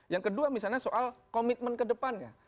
yang kedua misalnya soal komitmen kedepannya